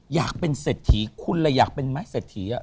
อยากเป็นเศรษฐีคุณเลยอยากเป็นไหมเศรษฐี